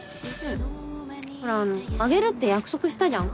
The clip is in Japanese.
うんほらあのあげるって約束したじゃん。